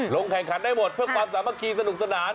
ลงแข่งขันได้หมดเพื่อความสามัคคีสนุกสนาน